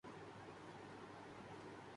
چاہے کسی کو اچھا لگے یا نہیں، یہ قومی فوج ہے۔